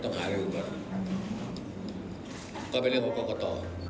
ก็เป็นเรื่องของกรกตอ